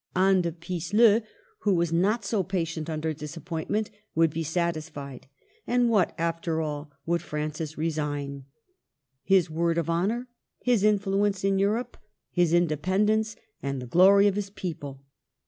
Anne de Pisseleu, who was not so patient under disappointment, would be satisfied. And what, after all, would Francis resign? His word of honor, his influence in Europe, his indepen dence, and the glory of his people.